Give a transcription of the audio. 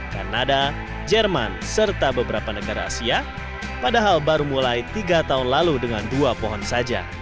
kanada jerman serta beberapa negara asia padahal baru mulai tiga tahun lalu dengan dua pohon saja